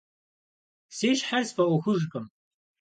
Си щхьэр сфӀэӀуэхужкъым.